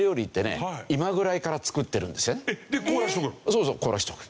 そうそう凍らせておく。